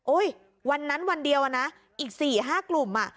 วันนั้นวันเดียวอะนะอีก๔๕กลุ่มอ่ะ